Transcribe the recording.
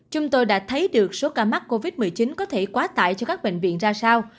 chúng tôi đã thấy được số ca mắc covid một mươi chín có thể quá tải cho các bệnh viện ra sao